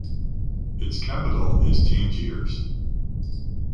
Its capital is Tangiers.